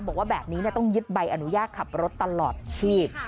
บอกว่าแบบนี้ต้องยึดใบอนุญาตขับรถตลอดชีพ